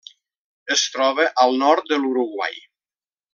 Es troba al nord de l'Uruguai.